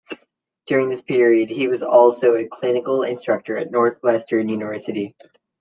During this period, he was also a Clinical Instructor at Northwestern University.